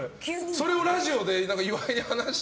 それをラジオで岩井に話して。